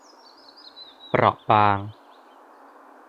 เปราะบาง